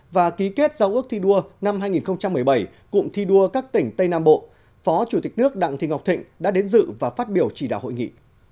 và ký kết giao ước thi đua năm hai nghìn một mươi bảy cụm thi đua các tỉnh tây nam bộ phó chủ tịch nước đặng thị ngọc thịnh đã đến dự và phát biểu chỉ đạo hội nghị